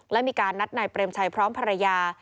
และมีการนัดนายเปรมชัยพร้อมภรรยา